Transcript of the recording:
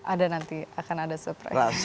ada nanti akan ada surprise